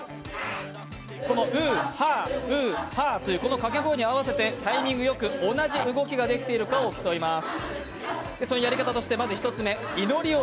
このウー、ハーというこのかけ声に合わせて、タイミングよく同じ動きができているかどうかを競います。